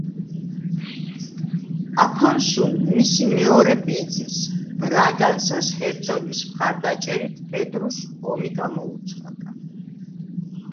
აფონსუმ მისი მეორე ბიძის, ბრაგანსას ჰერცოგის მხარდაჭერით პედრუს ომი გამოუცხადა.